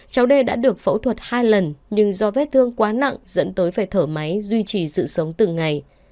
cháu đê đã được phẫu thuật hai lần nhưng do vết thương quá nặng dẫn tới phải thở máy duy trì sự sống từng ngày